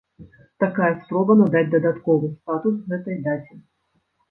Такая спроба надаць дадатковы статус гэтай даце.